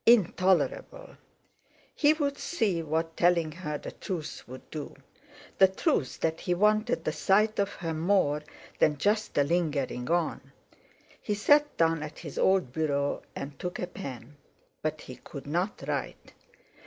Intolerable! He would see what telling her the truth would do—the truth that he wanted the sight of her more than just a lingering on. He sat down at his old bureau and took a pen. But he could not write.